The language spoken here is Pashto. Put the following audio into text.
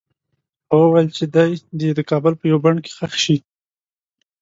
هغه وویل چې دی دې د کابل په یوه بڼ کې ښخ شي.